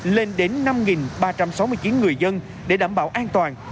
lên đến năm ba trăm sáu mươi chín người dân để đảm bảo an toàn